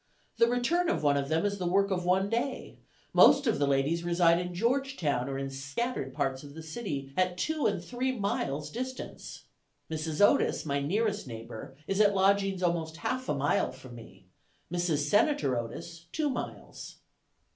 The return of one of them is the work of one day; most of the ladies reside in Georgetown or in scattered parts of the city at two and three miles distance. Mrs. Otis, my nearest neighbor, is at lodgings almost half a mile from me; Mrs. Senator Otis, two miles.